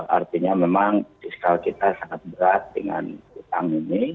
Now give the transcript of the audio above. artinya memang fiskal kita sangat berat dengan utang ini